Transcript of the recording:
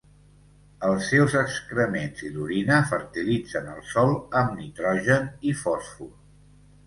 Els seus excrements i l'orina fertilitzen el sòl amb nitrogen i fòsfor.